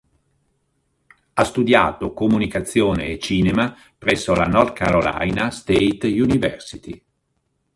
Ha studiato comunicazione e cinema presso la North Carolina State University.